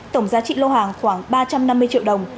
tổng giá trị lô hàng khoảng ba trăm năm mươi triệu đồng